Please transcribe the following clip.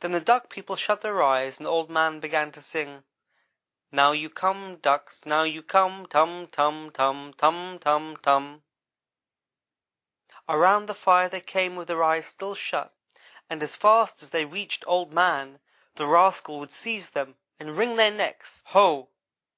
"Then the Duck people shut their eyes and Old man began to sing: 'Now you come, ducks, now you come tum tum, tum; tum tum, tum.' "Around the fire they came with their eyes still shut, and as fast as they reached Old man, the rascal would seize them, and wring their necks. Ho!